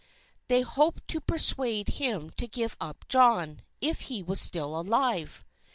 They hoped to persuade him to give up John, if he was still alive.